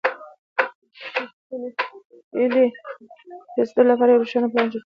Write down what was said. چې خپلې هيلې ته د رسېدو لپاره يو روښانه پلان جوړ کړئ.